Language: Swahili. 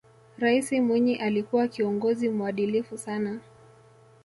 raisi mwinyi alikuwa kiongozi muadilifu sana